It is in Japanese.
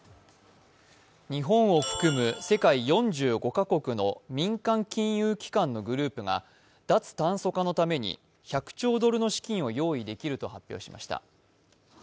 日本を含む世界４５カ国の民間金融機関のグループが脱炭素化のために１００兆ドルの資金を用意できると発表しました。